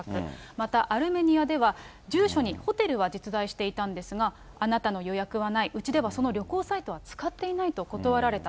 またアルメニアでは、住所にホテルは実在していたんですが、あなたの予約はない、うちではその旅行サイトは使っていないと断られた。